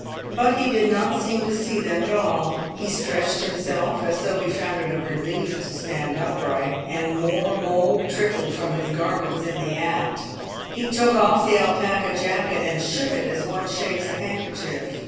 But he did not seem to see them at all. He stretched himself, as though he found it a relief to stand upright, and more mould trickled from his garments in the act; he took off the alpaca jacket, and shook it as one shakes a handkerchief.